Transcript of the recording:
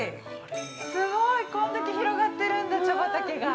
すごい、こんだけ広がってるんだ茶畑が。